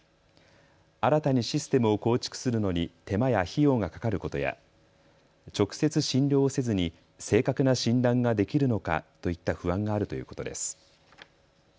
新たにシステムを構築するのに手間や費用がかかることや直接診療せずに正確な診断ができるのかといった不安があるということです。